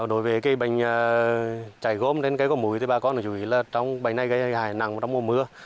đối với bệnh chảy gôm đến cây có múi thì bà con chủ yếu là trong bệnh này gây hại nặng trong mùa mưa